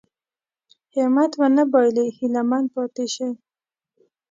همت ونه بايلي هيله من پاتې شي.